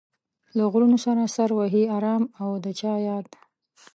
له غرونو سره سر وهي ارام او د چا ياد